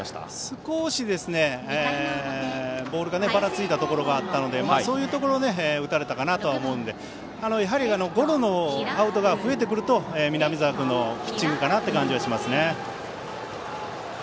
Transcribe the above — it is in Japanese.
少し、ボールがばらついたところがあったのでそういうところを打たれたかなとは思うのでゴロのアウトが増えてくると南澤君のピッチングかなという感じがしますね。